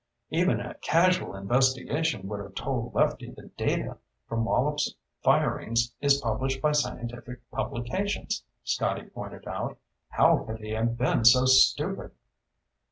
"Even a casual investigation would have told Lefty the data from Wallops firings is published by scientific publications," Scotty pointed out. "How could he have been so stupid?"